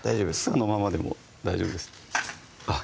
そのままでも大丈夫ですあっ